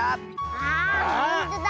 あほんとだ。